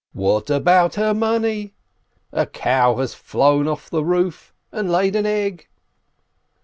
"What about her money?" "A cow has flown over the roof and laid an egg